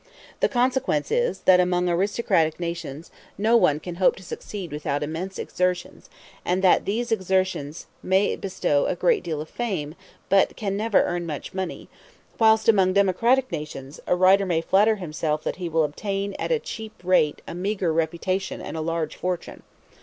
The consequence is, that among aristocratic nations, no one can hope to succeed without immense exertions, and that these exertions may bestow a great deal of fame, but can never earn much money; whilst among democratic nations, a writer may flatter himself that he will obtain at a cheap rate a meagre reputation and a large fortune.